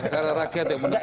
karena rakyat yang menukar